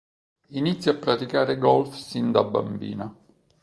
Inizia a praticare golf sin da bambina.